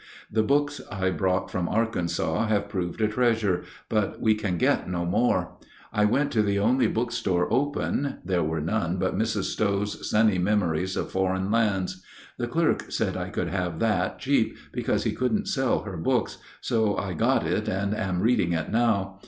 The books I brought from Arkansas have proved a treasure, but we can get no more. I went to the only book store open; there were none but Mrs. Stowe's "Sunny Memories of Foreign Lands." The clerk said I could have that cheap, because he couldn't sell her books, so I got it and am reading it now.